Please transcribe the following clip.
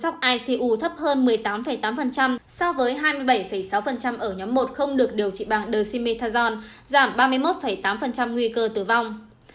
số chăm sóc icu thấp hơn một mươi tám tám so với hai mươi bảy sáu ở nhóm một không được điều trị bằng dexamethasone giảm ba mươi một tám nguy cơ tử vong